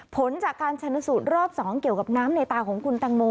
ผลจากการชนสูตรรอบ๒เกี่ยวกับน้ำในตาของคุณตังโม